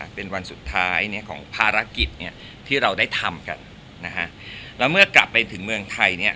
เป็นวันสุดท้ายของภารกิจที่เราได้ทำกันแล้วเมื่อกลับไปถึงเมืองไทย